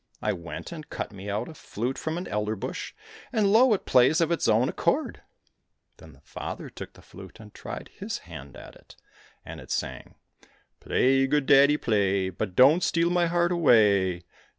" I went and cut me out a flute from an elder bush, and lo ! it plays of its own accord !" Then the father took the flute and tried his hand at it, and it sang :Play , good daddy , play , But don't steal my heart away